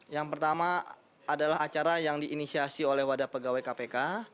yang pertama adalah acara yang diinisiasi oleh wadah pegawai kpk